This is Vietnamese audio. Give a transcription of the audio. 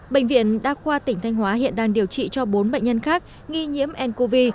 bệnh viện đa khoa tỉnh thanh hóa hiện đang điều trị cho bốn bệnh nhân khác nghi nhiễm ncov